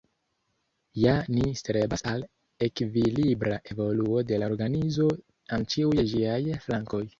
Ja ni strebas al ekvilibra evoluo de la organizo en ĉiuj ĝiaj flankoj.